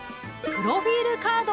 プロフィールカード？